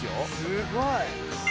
「すごい！」